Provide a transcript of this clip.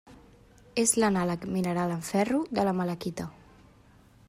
És l'anàleg mineral amb ferro de la malaquita.